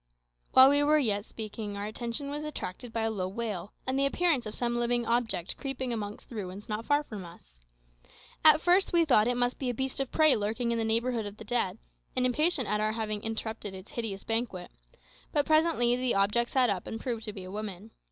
While we were yet speaking our attention was attracted by a low wail, and the appearance of some living object creeping amongst the ruins not far from us. At first we thought it must be a beast of prey lurking in the neighbourhood of the dead, and impatient at our having interrupted its hideous banquet; but presently the object sat up and proved to be a woman.